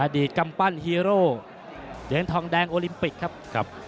ตกำปั้นฮีโร่เหรียญทองแดงโอลิมปิกครับ